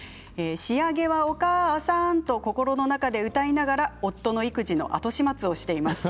仕上げはお母さんと心の中で歌いながら夫の育児の後始末をしています。